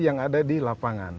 yang ada di lapangan